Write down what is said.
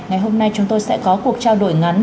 ngày hôm nay chúng tôi sẽ có cuộc trao đổi ngắn